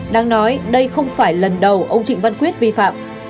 đáng nói đây không phải lần đầu ông trịnh văn quyết vi phạm